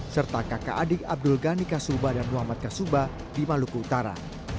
serta kakak adik abdul ghani kasuba dan muhammad kasuba di maluku utara